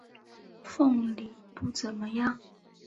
凤梨不怎么样